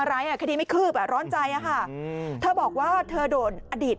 อะไรอ่ะคดีไม่คืบอ่ะร้อนใจอะค่ะเธอบอกว่าเธอโดนอดีต